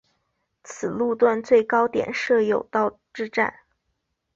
此路段最高点设有道之站。